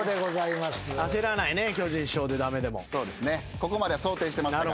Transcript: ここまでは想定してましたから。